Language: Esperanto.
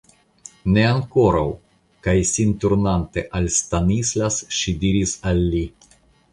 Ne ankoraŭ, kaj sin turnante al Stanislas, ŝi diris al li.